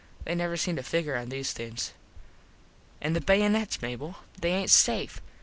They never seem to figger on these things. An these baynuts, Mable. They aint safe.